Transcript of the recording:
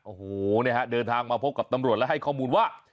โอ้โหเนี่ยฮะเดินทางมาพบกับตำรวจและให้ข้อมูลว่า